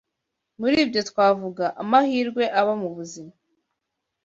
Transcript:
Muri byo twavuga: Amahirwe aba mu buzima